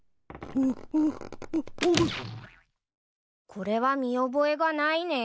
これは見覚えがないねぇ。